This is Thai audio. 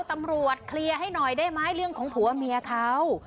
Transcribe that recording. ตำรวจเคลียร์ให้หน่อยได้ไหมเรื่องของผัวเมียเขา